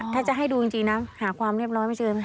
ถ้าจะให้ดูจริงนะหาความเรียบร้อยไม่เชิญค่ะ